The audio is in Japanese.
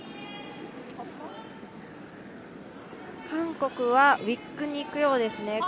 韓国はウィックにいくようですね。